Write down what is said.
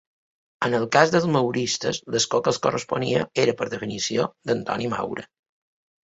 En el cas dels mauristes l'escó que els corresponia era per definició d'Antoni Maura.